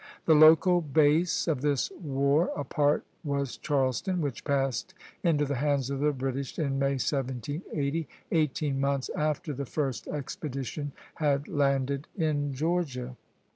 The local base of this war apart was Charleston, which passed into the hands of the British in May, 1780, eighteen months after the first expedition had landed in Georgia.